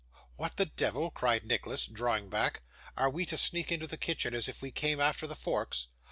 'What the devil!' cried Nicholas, drawing back. 'Are we to sneak into the kitchen, as if we came after the forks?